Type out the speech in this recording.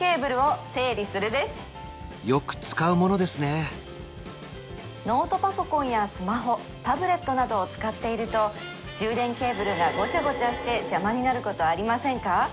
よく使うものですねノートパソコンやスマホタブレットなどを使っていると充電ケーブルがゴチャゴチャして邪魔になることありませんか？